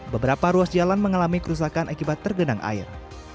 beberapa ruas jalan mengalami kerusakan akibat tergenang air